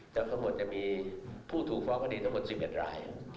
ทั้งหมดจะมีผู้ถูกฟ้องคดีทั้งหมด๑๑ราย